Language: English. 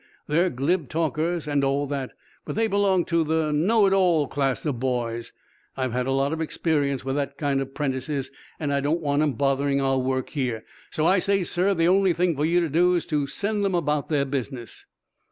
They're glib talkers, and all that, but they belong to the know it all class of boys. I've had a lot of experience with that kind of 'prentices, and I don't want 'em bothering our work here. So I say, sir, the only thing for you to do is to send them about their business."